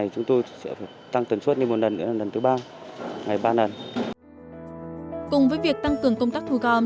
cùng với việc tăng cường công tác thu gom